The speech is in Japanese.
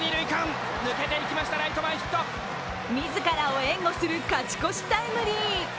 自らを援護する勝ち越しタイムリー。